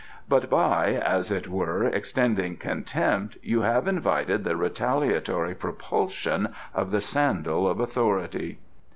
But by, as it were, extending contempt, you have invited the retaliatory propulsion of the sandal of authority."